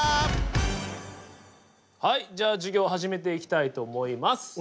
はいじゃあ授業始めていきたいと思います。